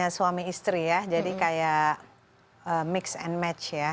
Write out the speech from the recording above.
suami istri ya jadi kayak mix and match ya